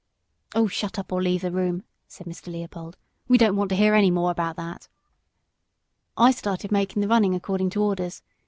"Oh, shut up, or leave the room," said Mr. Leopold; "we don't want to hear any more about that." "I started making the running according to orders.